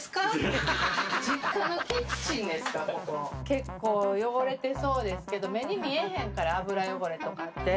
結構汚れてそうですけど目に見えへんから油汚れとかって。